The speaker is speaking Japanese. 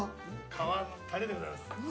皮のタレでございます。